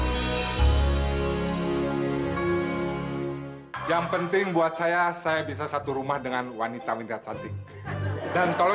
hai yang penting buat saya saya bisa satu rumah dengan wanita minta cantik dan tolong